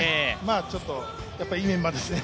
やっぱり、いいメンバーですね。